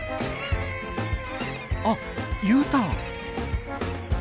あっＵターン。